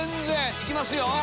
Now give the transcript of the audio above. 行きますよ。